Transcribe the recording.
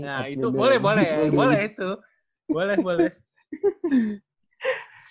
nah itu boleh boleh boleh itu boleh boleh